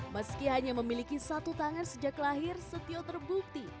meski hanya memiliki satu tangan sejak lahir setio terbukti